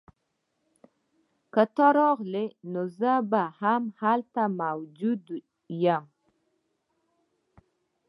که ته راغلې نو زه به هم هلته موجود یم